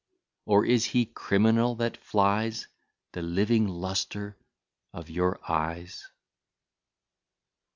Or is he criminal that flies The living lustre of your eyes?"